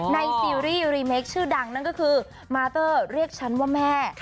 ซีรีส์รีเมคชื่อดังนั่นก็คือมาเตอร์เรียกฉันว่าแม่